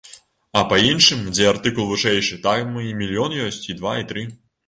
А па іншым, дзе артыкул вышэйшы, там і мільён ёсць, і два, і тры.